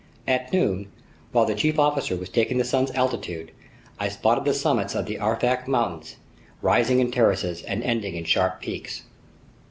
At noon, while the chief officer was taking the sun's altitude, I spotted the summits of the Arfak Mountains, rising in terraces and ending in sharp peaks.